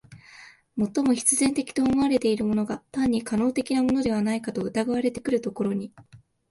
最も必然的と思われているものが単に可能的なものではないかと疑われてくるところに、